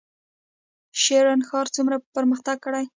شرن ښار څومره پرمختګ کړی؟